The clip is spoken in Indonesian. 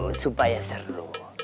uh supaya seru